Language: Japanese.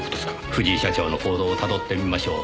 藤井社長の行動をたどってみましょう。